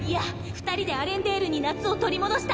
２人でアレンデールに夏を取り戻したいの。